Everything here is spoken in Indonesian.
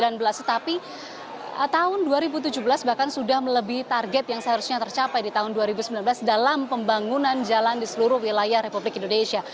tetapi tahun dua ribu tujuh belas bahkan sudah melebih target yang seharusnya tercapai di tahun dua ribu sembilan belas dalam pembangunan jalan di seluruh wilayah republik indonesia